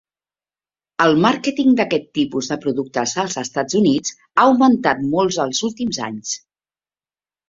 El màrqueting d'aquest tipus de productes als Estats Units ha augmentat molt els últims anys.